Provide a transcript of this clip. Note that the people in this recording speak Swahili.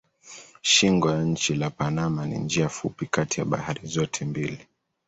Shingo ya nchi la Panama ni njia fupi kati ya bahari zote mbili.